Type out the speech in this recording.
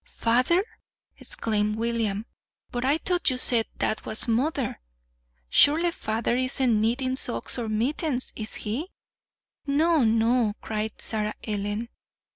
"Father!" exclaimed William. "But I thought you said 'twas mother. Surely father isn't knitting socks and mittens, is he?" "No, no," cried Sarah Ellen.